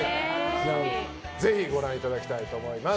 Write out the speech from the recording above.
ぜひご覧いただきたいと思います。